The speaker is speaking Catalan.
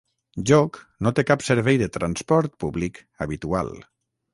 Jóc no té cap servei de transport públic habitual.